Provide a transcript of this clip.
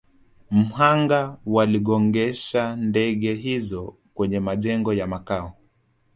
mhanga waligongesha ndege hizo kwenye majengo ya Makao